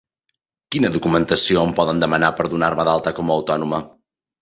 Quina documentació em poden demanar per donar-me d'alta com a autònoma?